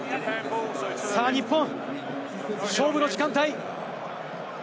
日本、勝負の時間帯。